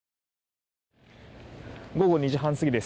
午後２時半過ぎです。